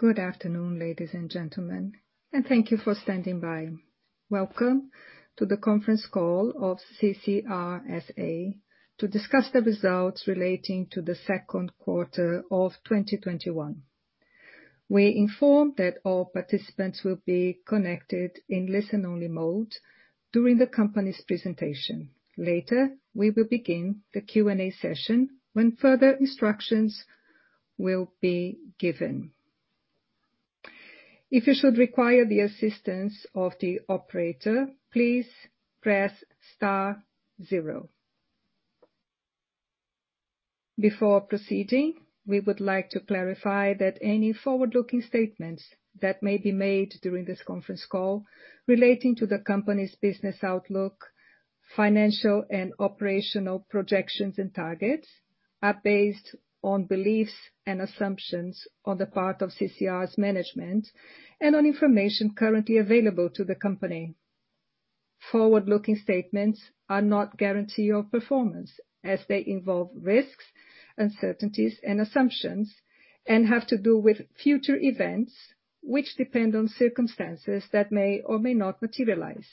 Good afternoon, ladies and gentlemen, and thank you for standing by. Welcome to the conference call of CCR S.A. to discuss the results relating to the second quarter of 2021. We inform that all participants will be connected in listen-only mode during the company's presentation. We will begin the Q&A session when further instructions will be given. If you should require the assistance of the operator, please press star zero. Before proceeding, we would like to clarify that any forward-looking statements that may be made during this conference call relating to the company's business outlook, financial and operational projections and targets are based on beliefs and assumptions on the part of CCR S.A.'s management and on information currently available to the company. Forward-looking statements are not guarantee of performance as they involve risks, uncertainties, and assumptions and have to do with future events, which depend on circumstances that may or may not materialize.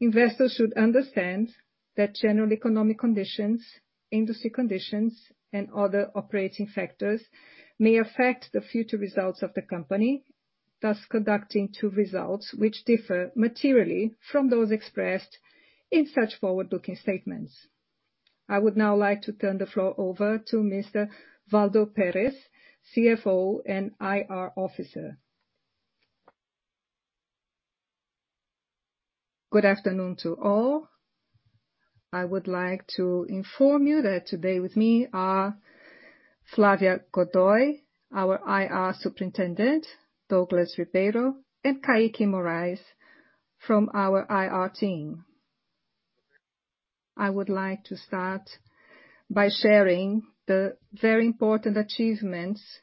Investors should understand that general economic conditions, industry conditions, and other operating factors may affect the future results of the company, thus conducing to results which differ materially from those expressed in such forward-looking statements. I would now like to turn the floor over to Mr. Waldo Perez, CFO and IR Officer. Good afternoon to all. I would like to inform you that today with me are Flávia Godoy, our IR Superintendent, Douglas Ribeiro, and Caique Morais from our IR team. I would like to start by sharing the very important achievements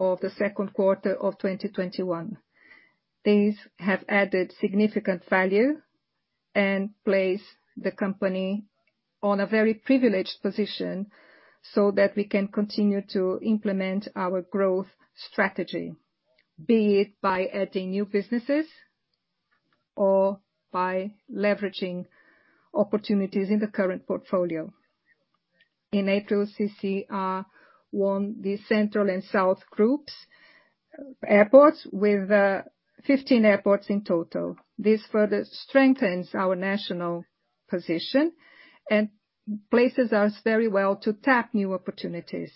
of the second quarter of 2021. These have added significant value and place the company on a very privileged position so that we can continue to implement our growth strategy, be it by adding new businesses or by leveraging opportunities in the current portfolio. In April, CCR won the Central and South Blocks airports with 15 airports in total. This further strengthens our national position and places us very well to tap new opportunities.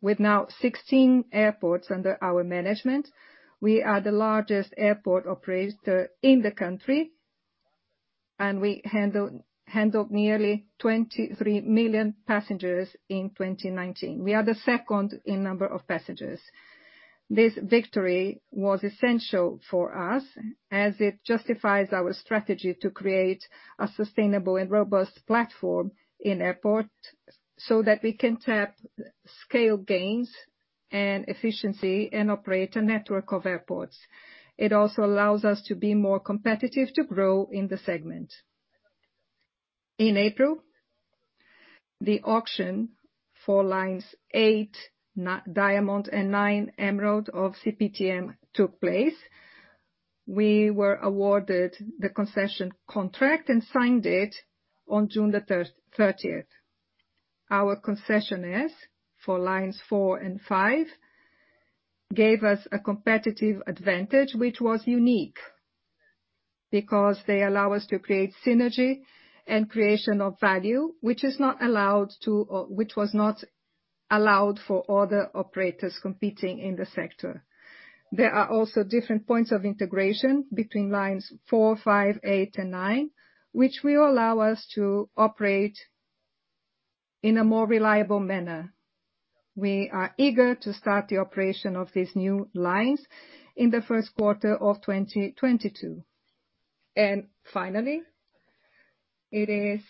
With now 16 airports under our management, we are the largest airport operator in the country and we handled nearly 23 million passengers in 2019. We are the second in number of passengers. This victory was essential for us as it justifies our strategy to create a sustainable and robust platform in airport so that we can tap scale gains and efficiency and operate a network of airports. It also allows us to be more competitive to grow in the segment. In April, the auction for lines eight-Diamond and nine-Emerald of CPTM took place. We were awarded the concession contract and signed it on June 30th. Our concessionaires for lines four and five gave us a competitive advantage which was unique because they allow us to create synergy and creation of value, which was not allowed for other operators competing in the sector. There are also different points of integration between lines four, five, eight, and nine, which will allow us to operate in a more reliable manner. We are eager to start the operation of these new lines in Q1 2022. Finally, it is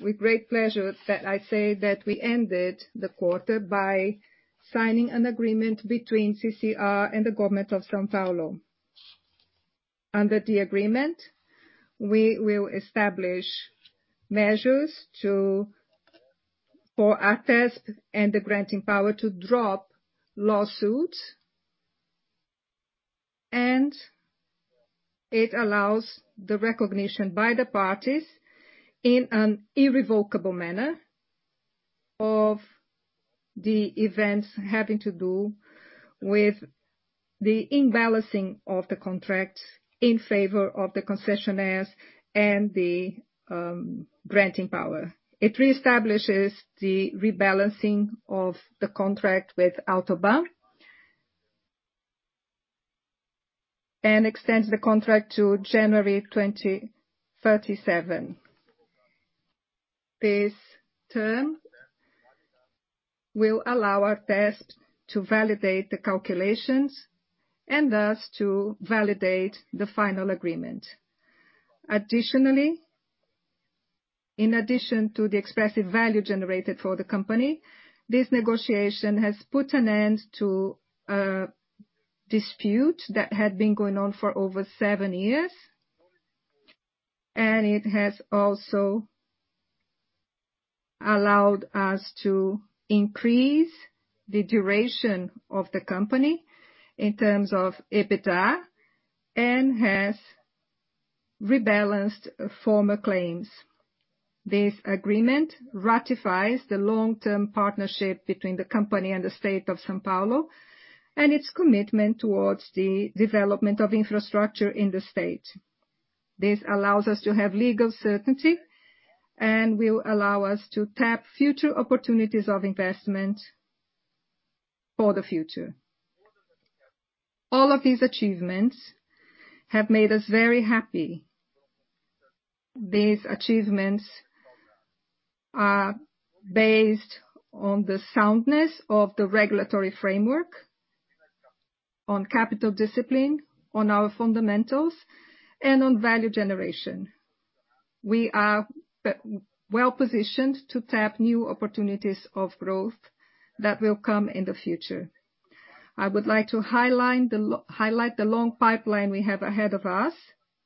with great pleasure that I say that we ended the quarter by signing an agreement between Motiva and the government of São Paulo. Under the agreement, we will establish measures for ARTESP and the granting power to drop lawsuits and it allows the recognition by the parties in an irrevocable manner of the events having to do with the imbalancing of the contract in favor of the concessionaires and the granting power. It reestablishes the rebalancing of the contract with AutoBAn and extends the contract to January 2037. This term will allow ARTESP to validate the calculations and thus to validate the final agreement. Additionally, in addition to the expressive value generated for the company, this negotiation has put an end to a dispute that had been going on for over seven years and it has also allowed us to increase the duration of the company in terms of EBITDA and has rebalanced former claims. This agreement ratifies the long-term partnership between the company and the state of São Paulo and its commitment towards the development of infrastructure in the state. This allows us to have legal certainty and will allow us to tap future opportunities of investment for the future. All of these achievements have made us very happy. These achievements are based on the soundness of the regulatory framework, on capital discipline, on our fundamentals, and on value generation. We are well-positioned to tap new opportunities of growth that will come in the future. I would like to highlight the long pipeline we have ahead of us,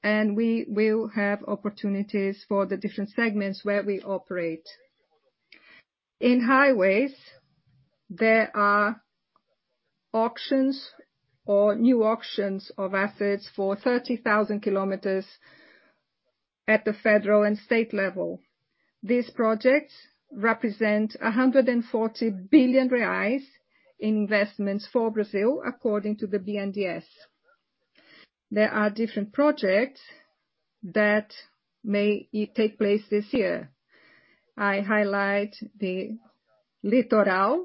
and we will have opportunities for the different segments where we operate. In highways, there are auctions or new auctions of assets for 30,000 km at the federal and state level. These projects represent 140 billion reais in investments for Brazil, according to the BNDES. There are different projects that may take place this year. I highlight the Litoral,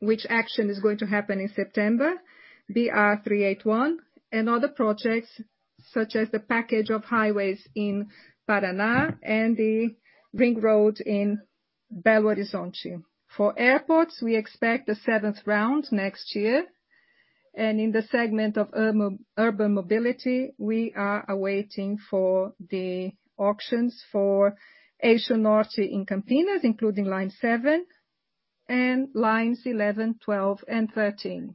which action is going to happen in September, BR381, and other projects such as the package of highways in Paraná and the ring road in Belo Horizonte. For airports, we expect the seventh round next year, and in the segment of urban mobility, we are awaiting for the auctions for Eixo Norte in Campinas, including line seven and lines 11, 12, and 13.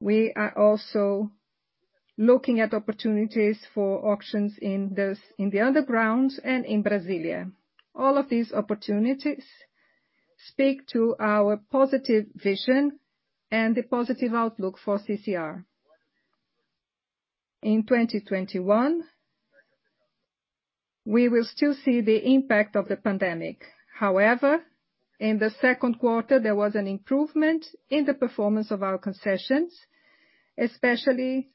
We are also looking at opportunities for auctions in the undergrounds and in Brasília. All of these opportunities speak to our positive vision and the positive outlook for CCR. In 2021, we will still see the impact of the pandemic. However, in the second quarter, there was an improvement in the performance of our concessions, especially in the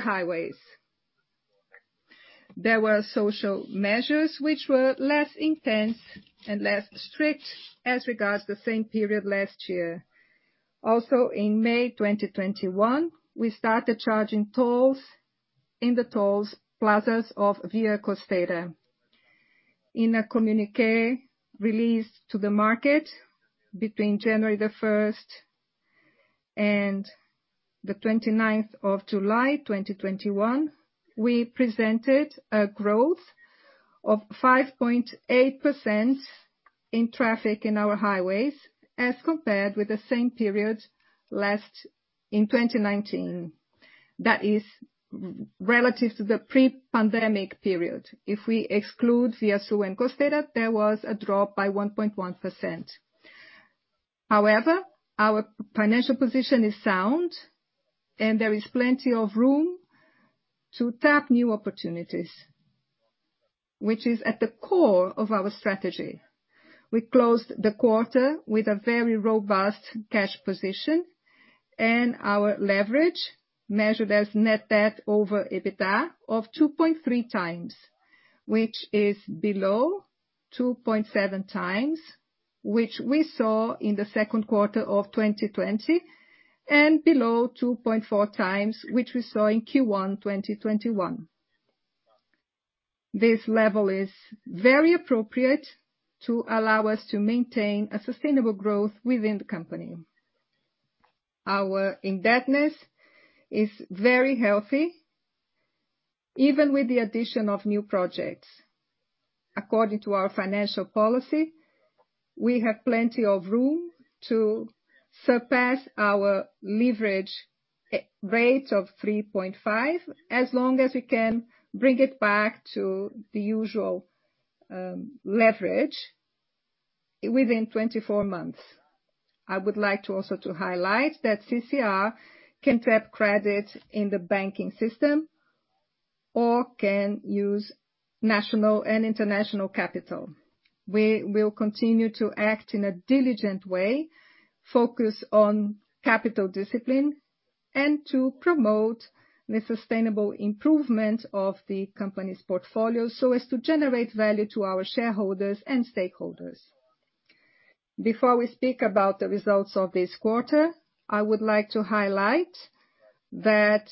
highways. There were social measures which were less intense and less strict as regards the same period last year. Also in May 2021, we started charging tolls in the tolls plazas of Via Costeira. In a communiqué released to the market between January the 1st and the 29th of July 2021, we presented a growth of 5.8% in traffic in our highways as compared with the same period in 2019. That is relative to the pre-pandemic period. If we exclude ViaSul and Costeira, there was a drop by 1.1%. However, our financial position is sound and there is plenty of room to tap new opportunities, which is at the core of our strategy. We closed the quarter with a very robust cash position and our leverage measured as net debt over EBITDA of 2.3x, which is below 2.7x, which we saw in the second quarter of 2020 and below 2.4x, which we saw in Q1 2021. This level is very appropriate to allow us to maintain a sustainable growth within the company. Our indebtedness is very healthy, even with the addition of new projects. According to our financial policy, we have plenty of room to surpass our leverage rate of 3.5 as long as we can bring it back to the usual leverage within 24 months. I would like also to highlight that CCR can tap credit in the banking system or can use national and international capital. We will continue to act in a diligent way, focus on capital discipline and to promote the sustainable improvement of the company's portfolio so as to generate value to our shareholders and stakeholders. Before we speak about the results of this quarter, I would like to highlight that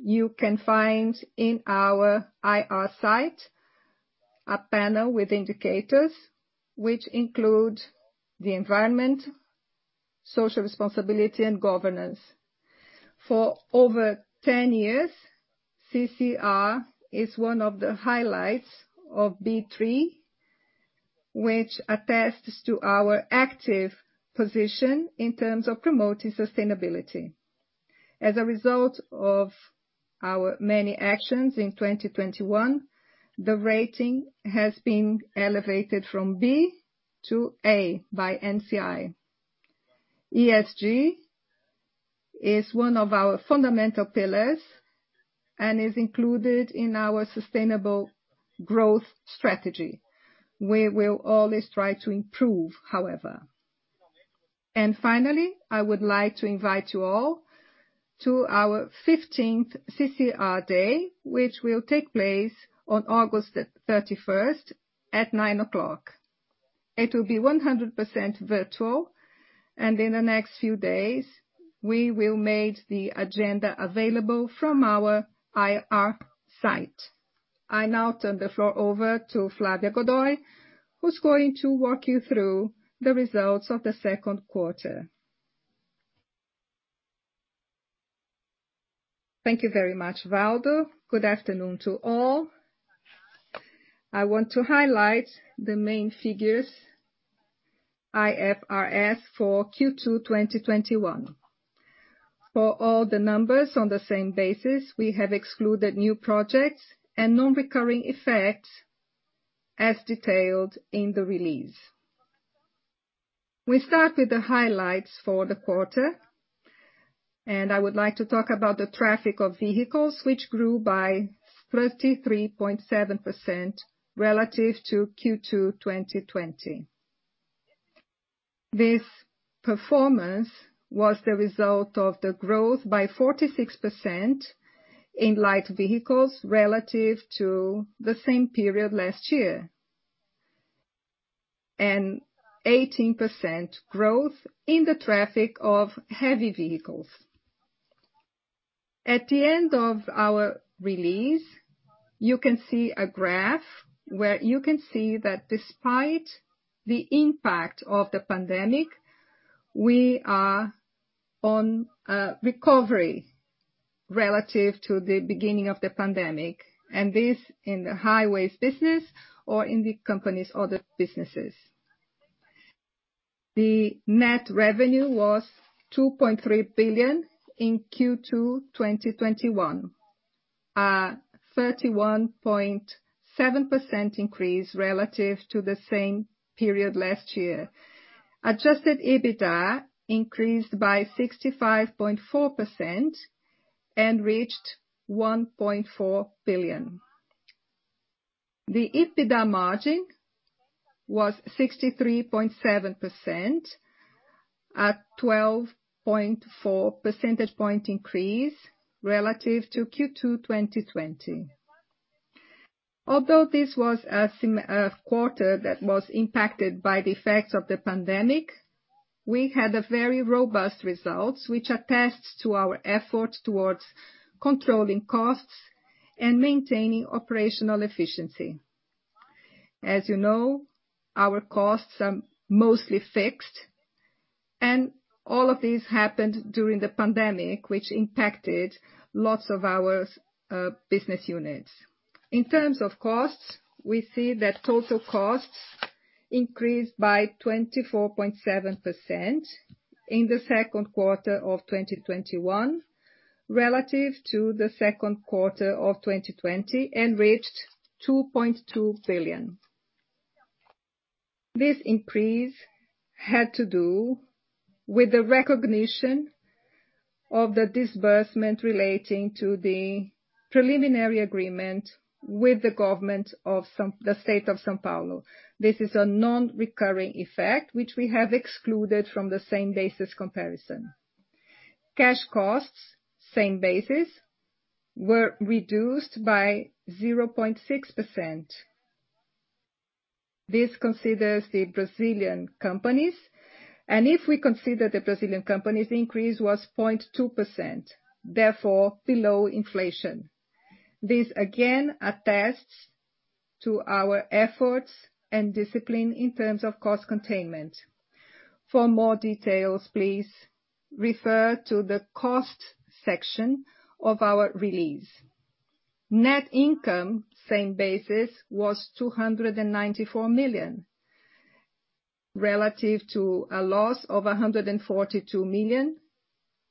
you can find in our IR site a panel with indicators which include the environment, social responsibility and governance. For over 10 years, CCR is one of the highlights of B3, which attests to our active position in terms of promoting sustainability. As a result of our many actions in 2021, the rating has been elevated from B-to-A by NCI. ESG is one of our fundamental pillars and is included in our sustainable growth strategy. We will always try to improve, however. Finally, I would like to invite you all to our 15th CCR Day, which will take place on August 31st at 9:00 A.M. It will be 100% virtual, and in the next few days, we will make the agenda available from our IR site. I now turn the floor over to Flávia Godoy, who's going to walk you through the results of the second quarter. Thank you very much, Waldo. Good afternoon to all. I want to highlight the main figures, IFRS for Q2 2021. For all the numbers on the same basis, we have excluded new projects and non-recurring effects as detailed in the release. We start with the highlights for the quarter, and I would like to talk about the traffic of vehicles, which grew by 33.7% relative to Q2 2020. This performance was the result of the growth by 46% in light vehicles relative to the same period last year, and 18% growth in the traffic of heavy vehicles. At the end of our release, you can see a graph where you can see that despite the impact of the pandemic, we are on recovery relative to the beginning of the pandemic, and this in the highways business or in the company's other businesses. The net revenue was 2.3 billion in Q2 2021, a 31.7% increase relative to the same period last year. Adjusted EBITDA increased by 65.4% and reached 1.4 billion. The EBITDA margin was 63.7%, a 12.4 percentage point increase relative to Q2 2020. Although this was a quarter that was impacted by the effects of the pandemic, we had a very robust results, which attests to our efforts towards controlling costs and maintaining operational efficiency. As you know, our costs are mostly fixed. All of this happened during the pandemic, which impacted lots of our business units. In terms of costs, we see that total costs increased by 24.7% in the second quarter of 2021 relative to the second quarter of 2020 and reached 2.2 billion. This increase had to do with the recognition of the disbursement relating to the preliminary agreement with the government of the state of São Paulo. This is a non-recurring effect, which we have excluded from the same basis comparison. Cash costs, same basis, were reduced by 0.6%. This considers the Brazilian companies. If we consider the Brazilian companies, the increase was 0.2%, therefore below inflation. This again attests to our efforts and discipline in terms of cost containment. For more details, please refer to the cost section of our release. Net income, same basis, was 294 million, relative to a loss of 142 million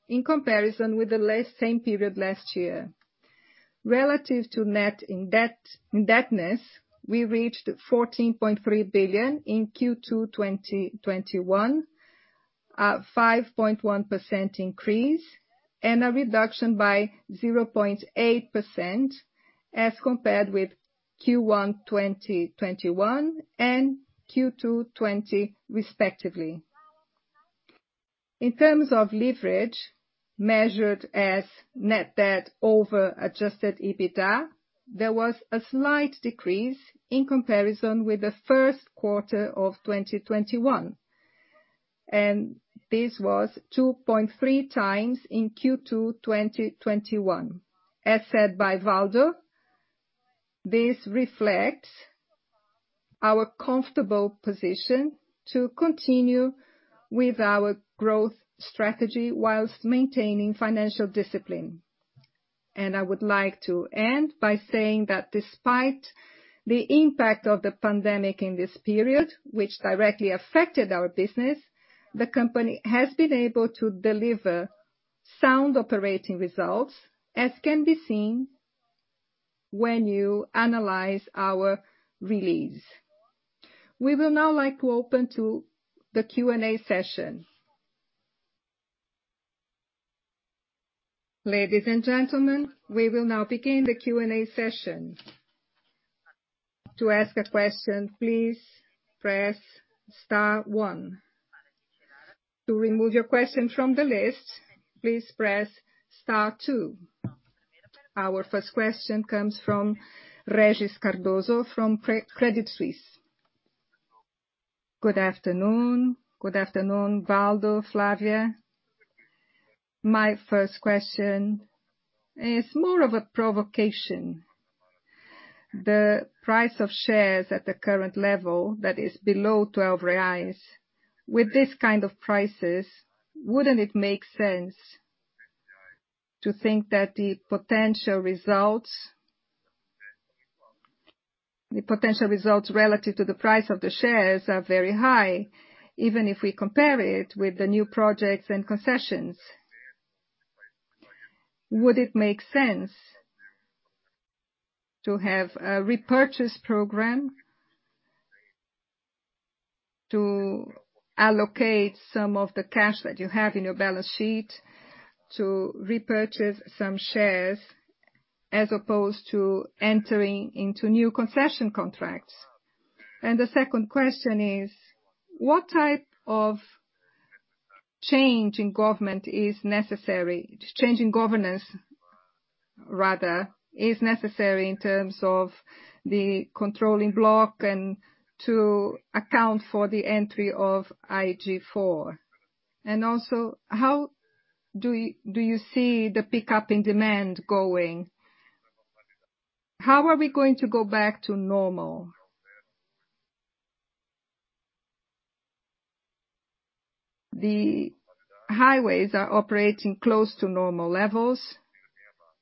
in comparison with the same period last year. Relative to net indebtedness, we reached 14.3 billion in Q2 2021, a 5.1% increase and a reduction by 0.8% as compared with Q1 2021 and Q2 2020, respectively. In terms of leverage measured as net debt over adjusted EBITDA, there was a slight decrease in comparison with first quarter of 2021, this was 2.3x in Q2 2021. As said by Waldo, this reflects our comfortable position to continue with our growth strategy whilst maintaining financial discipline. I would like to end by saying that despite the impact of the pandemic in this period, which directly affected our business, the company has been able to deliver sound operating results, as can be seen when you analyze our release. We will now like to open to the Q&A session. Ladies and gentlemen, we will now begin the Q&A session. To ask a question, please press star one. To remove your question from the list, please press star two. Our first question comes from Regis Cardoso from Credit Suisse. Good afternoon. Good afternoon, Waldo, Flávia. My first question is more of a provocation. The price of shares at the current level, that is below 12 reais. With this kind of prices, wouldn't it make sense to think that the potential results relative to the price of the shares are very high, even if we compare it with the new projects and concessions? Would it make sense to have a repurchase program to allocate some of the cash that you have in your balance sheet to repurchase some shares, as opposed to entering into new concession contracts? The second question is: What type of change in governance is necessary in terms of the controlling block and to account for the entry of IG4? Also, how do you see the pickup in demand going? How are we going to go back to normal? The highways are operating close to normal levels,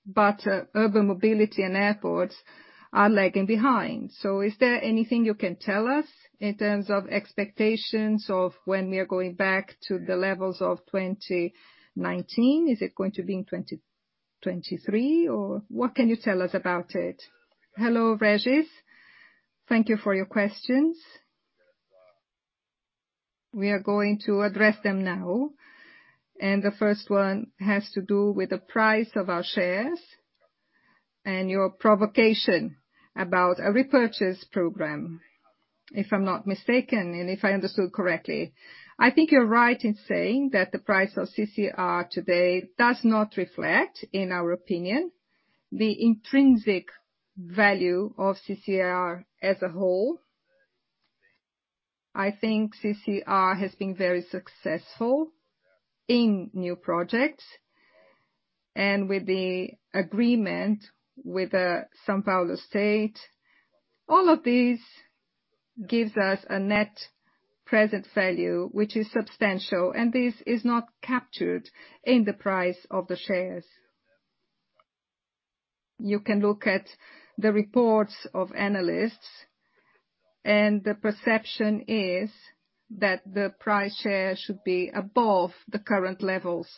but urban mobility and airports are lagging behind. Is there anything you can tell us in terms of expectations of when we are going back to the levels of 2019? Is it going to be in 2023, or what can you tell us about it? Hello, Regis. Thank you for your questions. We are going to address them now. The first one has to do with the price of our shares and your provocation about a repurchase program, if I'm not mistaken, and if I understood correctly. I think you're right in saying that the price of CCR today does not reflect, in our opinion, the intrinsic value of CCR as a whole. I think CCR has been very successful in new projects and with the agreement with São Paulo State. All of this gives us a net present value, which is substantial. This is not captured in the price of the shares. You can look at the reports of analysts. The perception is that the price share should be above the current levels.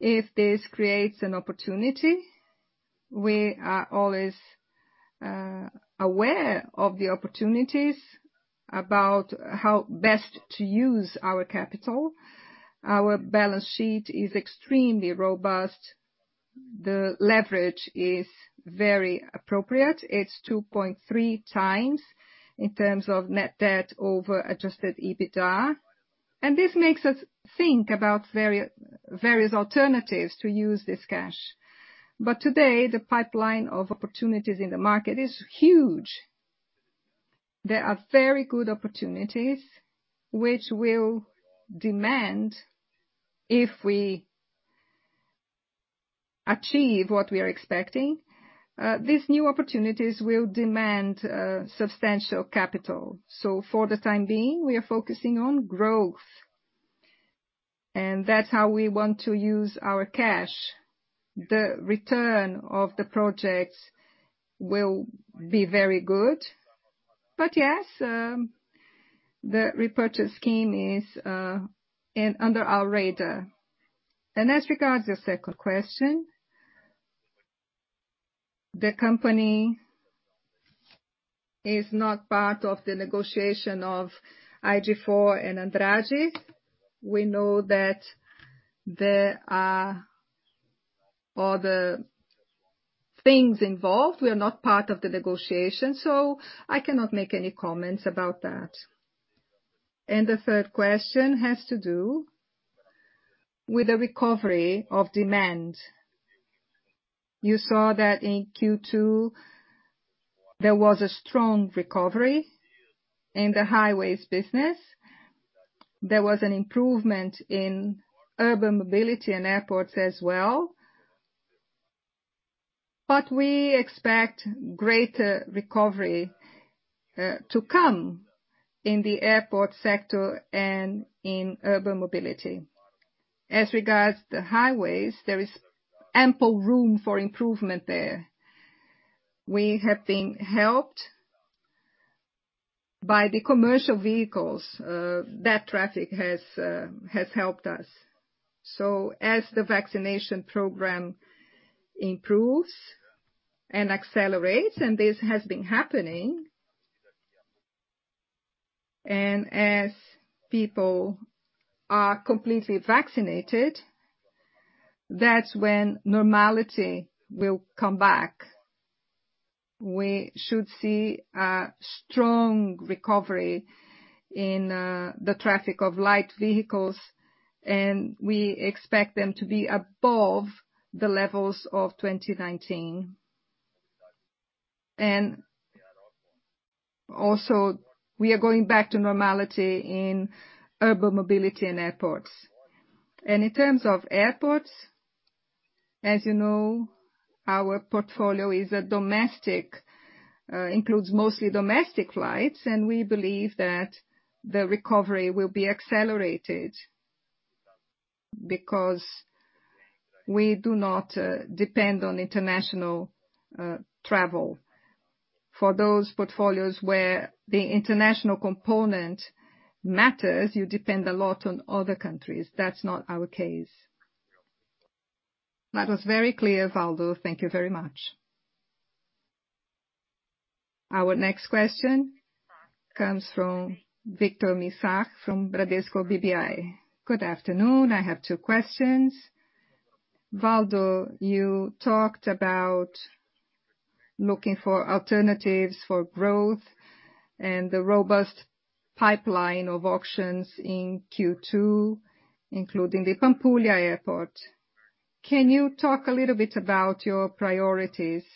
If this creates an opportunity, we are always aware of the opportunities about how best to use our capital. Our balance sheet is extremely robust. The leverage is very appropriate. It's 2.3x in terms of net debt over adjusted EBITDA. This makes us think about various alternatives to use this cash. Today, the pipeline of opportunities in the market is huge. There are very good opportunities which will demand if we achieve what we are expecting. These new opportunities will demand substantial capital. For the time being, we are focusing on growth, and that's how we want to use our cash. The return of the projects will be very good. Yes, the repurchase scheme is under our radar. As regards your second question, the company is not part of the negotiation of IG4 and Andrade. We know that there are other things involved. We are not part of the negotiation, so I cannot make any comments about that. The third question has to do with the recovery of demand. You saw that in Q2, there was a strong recovery in the highways business. There was an improvement in urban mobility and airports as well. But we expect greater recovery to come in the airport sector and in urban mobility. As regards to the highways, there is ample room for improvement there. We have been helped by the commercial vehicles. That traffic has helped us. As the vaccination program improves and accelerates, and this has been happening, and as people are completely vaccinated, that's when normality will come back. We should see a strong recovery in the traffic of light vehicles, and we expect them to be above the levels of 2019. Also we are going back to normality in urban mobility and airports. In terms of airports, as you know, our portfolio includes mostly domestic flights, and we believe that the recovery will be accelerated because we do not depend on international travel. For those portfolios where the international component matters, you depend a lot on other countries. That's not our case. That was very clear, Waldo Perez. Thank you very much. Our next question comes from Victor Mizusaki from Bradesco BBI. Good afternoon. I have two questions. Waldo Perez, you talked about looking for alternatives for growth and the robust pipeline of auctions in Q2, including the Pampulha Airport. Can you talk a little bit about your priorities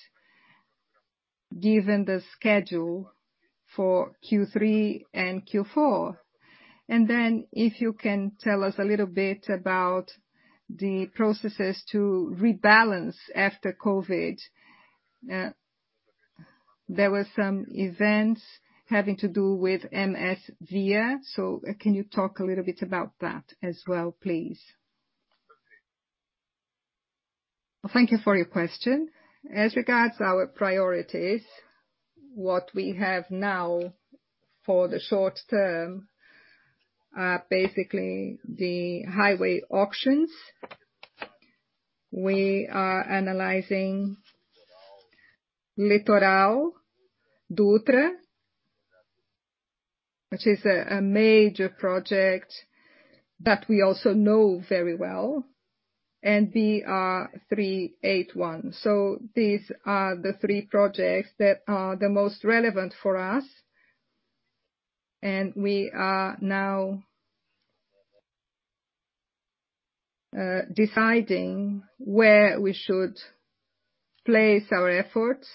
given the schedule for Q3 and Q4? If you can tell us a little bit about the processes to rebalance after COVID. There were some events having to do with MSVia, so can you talk a little bit about that as well, please? Thank you for your question. As regards to our priorities, what we have now for the short term are basically the highway auctions. We are analyzing Litoral Dutra, which is a major project that we also know very well, and BR381. These are the three projects that are the most relevant for us, and we are now deciding where we should place our efforts.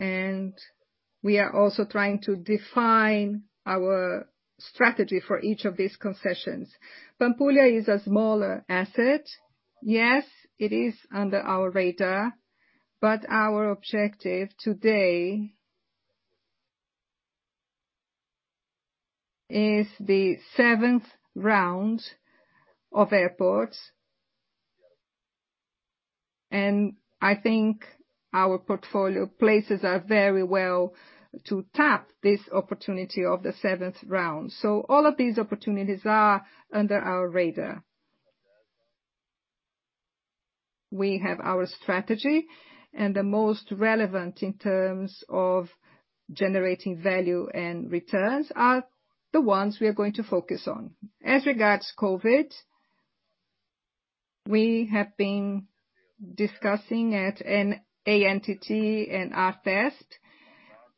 We are also trying to define our strategy for each of these concessions. Pampulha is a smaller asset. Yes, it is under our radar, but our objective today is the seventh round of airports. I think our portfolio places are very well to tap this opportunity of the seventh round. All of these opportunities are under our radar. We have our strategy and the most relevant in terms of generating value and returns are the ones we are going to focus on. As regards to COVID, we have been discussing at ANTT and ARTESP.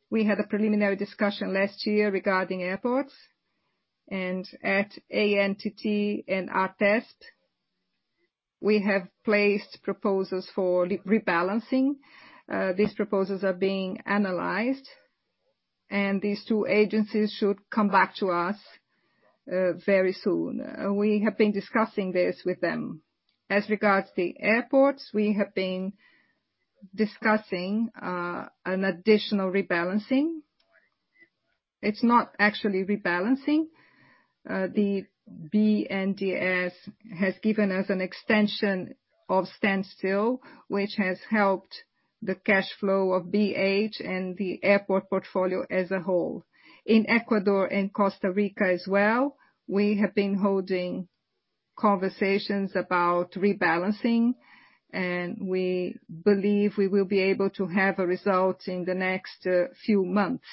We had a preliminary discussion last year regarding airports. At ANTT and ARTESP, we have placed proposals for rebalancing. These proposals are being analyzed, and these two agencies should come back to us very soon. We have been discussing this with them. As regards to the airports, we have been discussing an additional rebalancing. It's not actually rebalancing. The BNDES has given us an extension of standstill, which has helped the cash flow of BH and the airport portfolio as a whole. In Ecuador and Costa Rica as well, we have been holding conversations about rebalancing, and we believe we will be able to have a result in the next few months.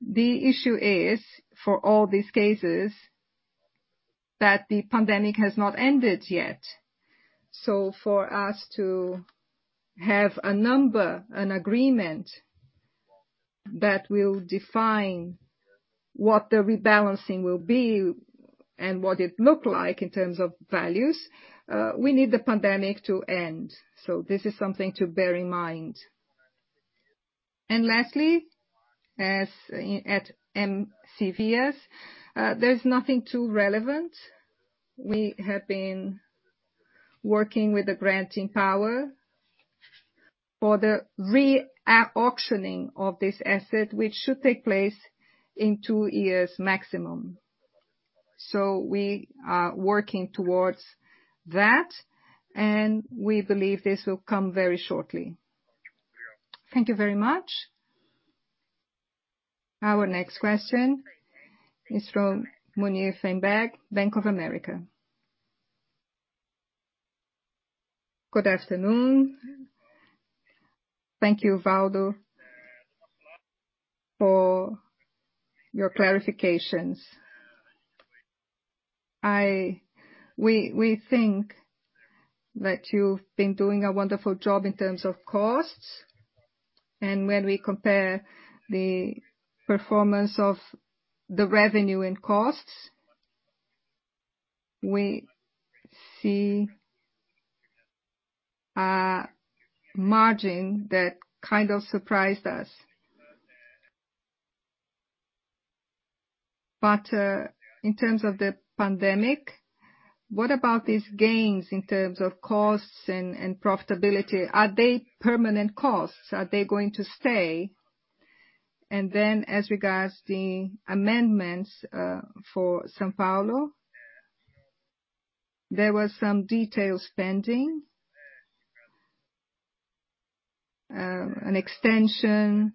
The issue is, for all these cases, that the pandemic has not ended yet. For us to have a number, an agreement that will define what the rebalancing will be and what it look like in terms of values, we need the pandemic to end. This is something to bear in mind. Lastly, at MSVia, there's nothing too relevant. We have been working with the granting power for the re-auctioning of this asset, which should take place in two years maximum. We are working towards that, and we believe this will come very shortly. Thank you very much. Our next question is from Murilo Freiberger, Bank of America. Good afternoon. Thank you, Waldo, for your clarifications. We think that you've been doing a wonderful job in terms of costs, and when we compare the performance of the revenue and costs, we see a margin that kind of surprised us. In terms of the pandemic, what about these gains in terms of costs and profitability? Are they permanent costs? Are they going to stay? As regards the amendments for São Paulo, there were some details pending, an extension,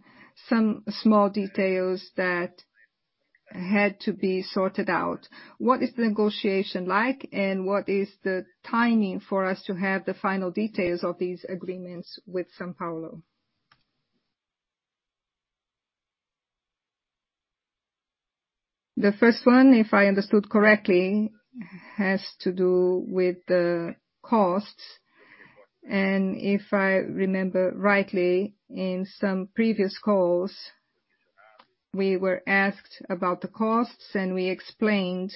some small details that had to be sorted out. What is the negotiation like, and what is the timing for us to have the final details of these agreements with São Paulo? The first one, if I understood correctly, has to do with the costs. If I remember rightly, in some previous calls, we were asked about the costs, and we explained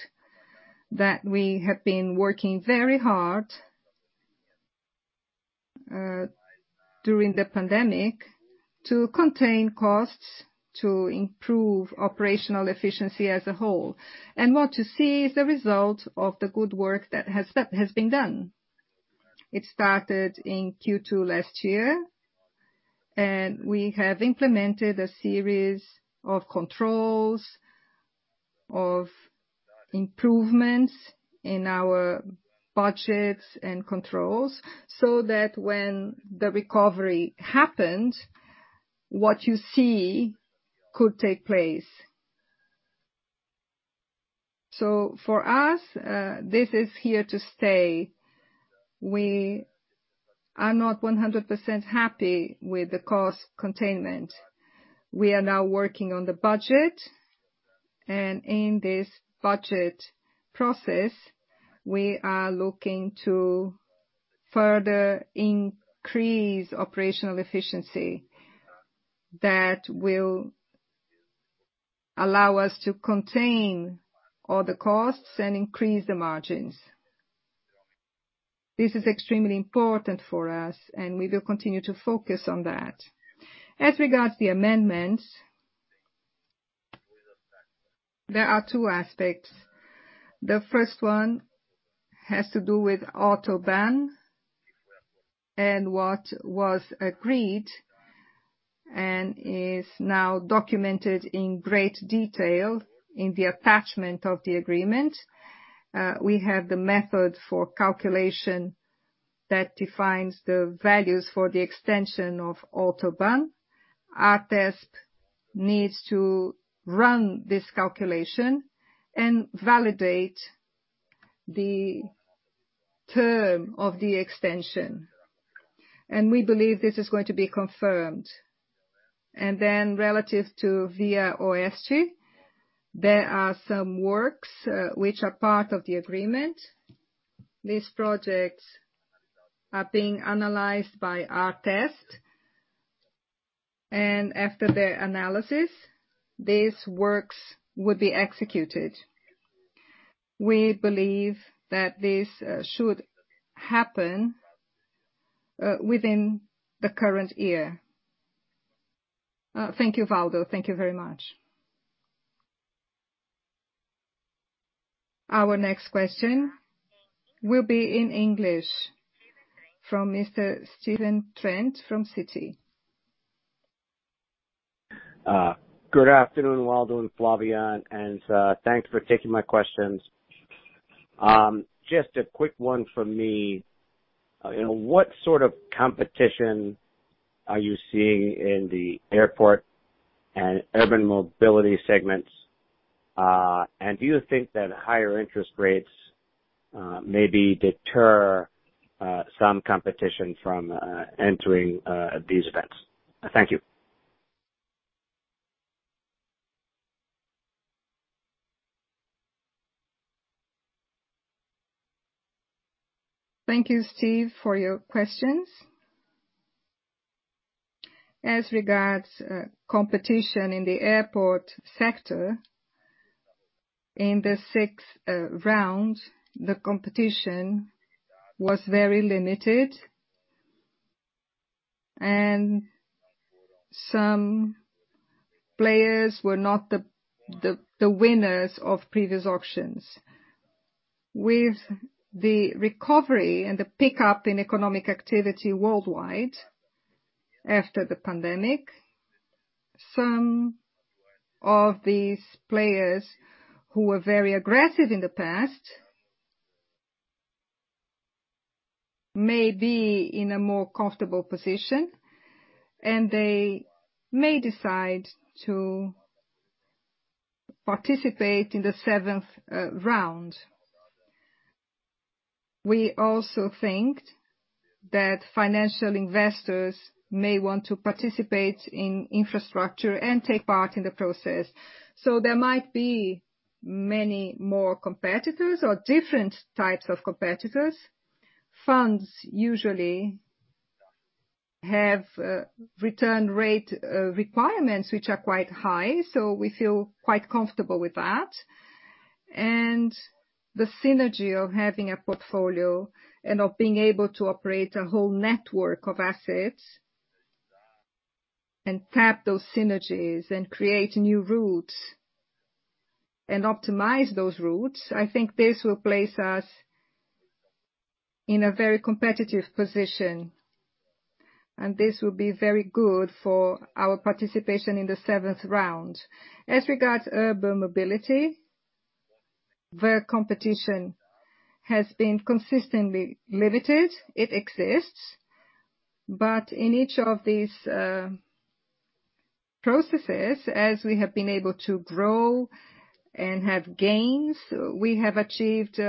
that we have been working very hard during the pandemic to contain costs, to improve operational efficiency as a whole. What you see is the result of the good work that has been done. It started in Q2 last year, and we have implemented a series of controls, of improvements in our budgets and controls so that when the recovery happened, what you see could take place. For us, this is here to stay. We are not 100% happy with the cost containment. We are now working on the budget, in this budget process, we are looking to further increase operational efficiency that will allow us to contain all the costs and increase the margins. This is extremely important for us, we will continue to focus on that. As regards the amendment, there are two aspects. The first one has to do with AutoBAn and what was agreed and is now documented in great detail in the attachment of the agreement. We have the method for calculation that defines the values for the extension of AutoBAn. ARTESP needs to run this calculation and validate the term of the extension. We believe this is going to be confirmed. Then relative to ViaOeste, there are some works which are part of the agreement. These projects are being analyzed by ARTESP, and after their analysis, these works would be executed. We believe that this should happen within the current year. Thank you, Waldo. Thank you very much. Our next question will be in English, from Mr. Stephen Trent from Citi. Good afternoon, Waldo and Flávia, and thanks for taking my questions. Just a quick one from me. What sort of competition are you seeing in the airport and urban mobility segments? Do you think that higher interest rates maybe deter some competition from entering these events? Thank you. Thank you, Stephen Trent, for your questions. As regards competition in the airport sector. In the sixth round, the competition was very limited, and some players were not the winners of previous auctions. With the recovery and the pickup in economic activity worldwide after the pandemic, some of these players who were very aggressive in the past may be in a more comfortable position, and they may decide to participate in the seventh round. We also think that financial investors may want to participate in infrastructure and take part in the process. There might be many more competitors or different types of competitors. Funds usually have return rate requirements, which are quite high, so we feel quite comfortable with that. The synergy of having a portfolio and of being able to operate a whole network of assets and tap those synergies and create new routes and optimize those routes, I think this will place us in a very competitive position and this will be very good for our participation in the seventh round. As regards urban mobility, where competition has been consistently limited, it exists. In each of these processes, as we have been able to grow and have gains, we have achieved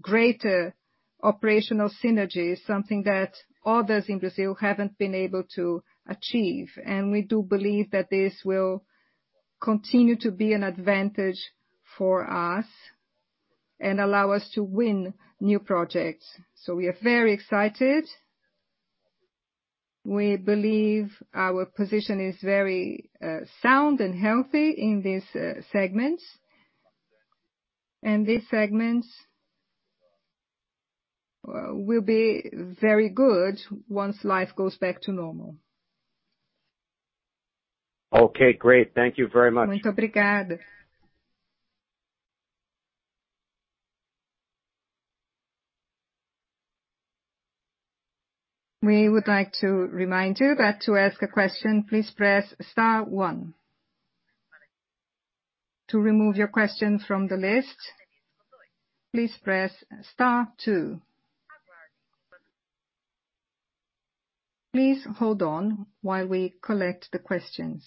greater operational synergies, something that others in Brazil haven't been able to achieve. We do believe that this will continue to be an advantage for us and allow us to win new projects. We are very excited. We believe our position is very sound and healthy in these segments, and these segments will be very good once life goes back to normal. Okay, great. Thank you very much. We would like to remind you that to ask a question please press star one. To remove your question from the list, please press star two. Please hold on while we collect the questions.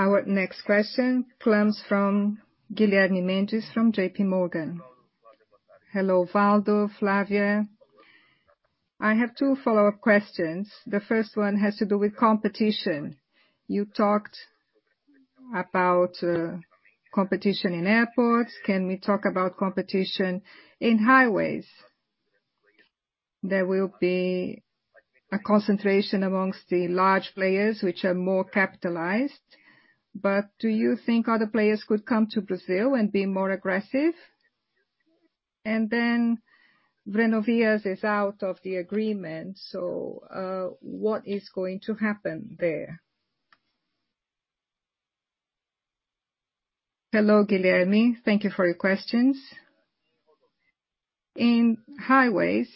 Our next question comes from Guilherme Mendes from JP Morgan. Hello, Waldo, Flávia. I have two follow-up questions. The first one has to do with competition. You talked about competition in airports. Can we talk about competition in highways? There will be a concentration amongst the large players, which are more capitalized. Do you think other players could come to Brazil and be more aggressive? Renovias is out of the agreement, what is going to happen there? Hello, Guilherme. Thank you for your questions. In highways,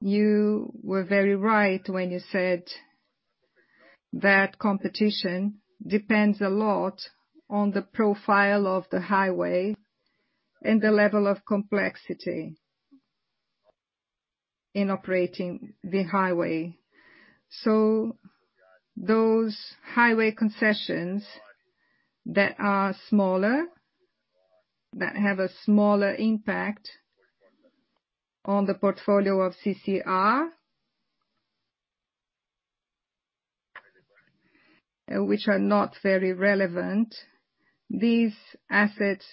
you were very right when you said that competition depends a lot on the profile of the highway and the level of complexity in operating the highway. Those highway concessions that are smaller, that have a smaller impact on the portfolio of CCR, which are not very relevant, these assets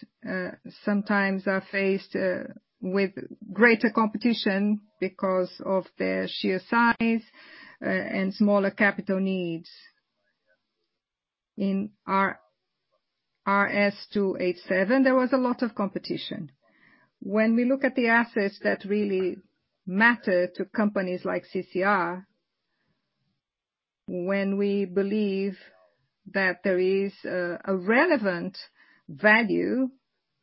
sometimes are faced with greater competition because of their sheer size and smaller capital needs. In RS 287, there was a lot of competition. When we look at the assets that really matter to companies like CCR, when we believe that there is a relevant value,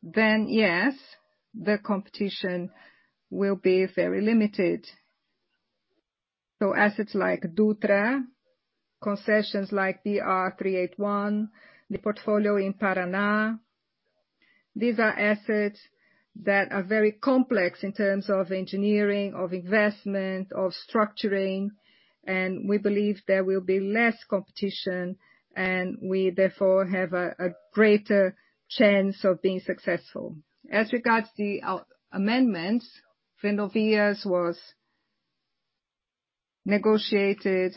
then yes, the competition will be very limited. Assets like Dutra, concessions like BR381, the portfolio in Paraná, these are assets that are very complex in terms of engineering, of investment, of structuring, and we believe there will be less competition, and we therefore have a greater chance of being successful. As regards the amendments, Renovias was negotiated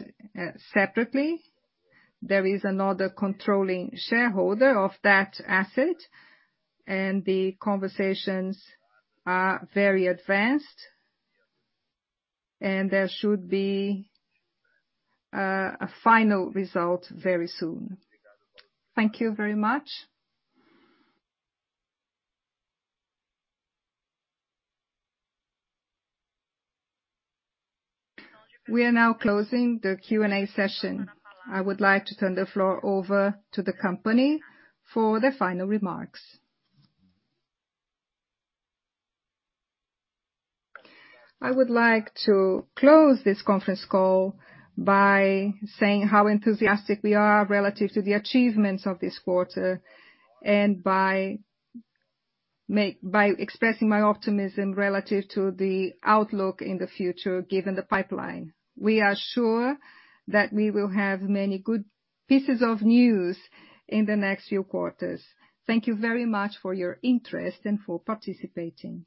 separately. There is another controlling shareholder of that asset, and the conversations are very advanced, and there should be a final result very soon. Thank you very much. We are now closing the Q&A session. I would like to turn the floor over to the company for their final remarks. I would like to close this conference call by saying how enthusiastic we are relative to the achievements of this quarter, and by expressing my optimism relative to the outlook in the future given the pipeline. We are sure that we will have many good pieces of news in the next few quarters. Thank you very much for your interest and for participating.